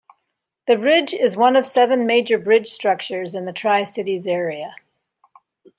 The bridge is one of seven major bridge structures in the Tri-Cities area.